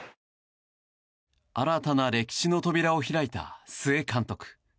新たな歴史の扉を開いた須江監督。